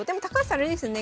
あれですよね